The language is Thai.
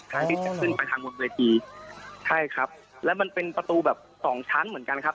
ที่จะขึ้นไปทางบนเวทีใช่ครับแล้วมันเป็นประตูแบบสองชั้นเหมือนกันครับ